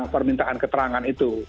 permintaan keterangan itu